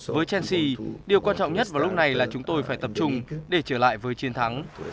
với chanci điều quan trọng nhất vào lúc này là chúng tôi phải tập trung để trở lại với chiến thắng